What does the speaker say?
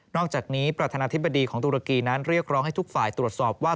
อกจากนี้ประธานาธิบดีของตุรกีนั้นเรียกร้องให้ทุกฝ่ายตรวจสอบว่า